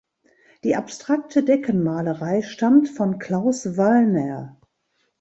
Die abstrakte Deckenmalerei stammt von Claus Wallner.